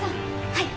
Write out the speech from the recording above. はい。